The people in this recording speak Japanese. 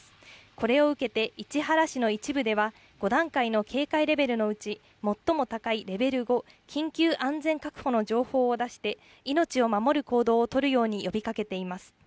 これを受けて市原市の一部では５段階の警戒レベルのうち、最も高いレベル５、緊急安全確保の情報を出して、命を守る行動を取るように呼びかけています。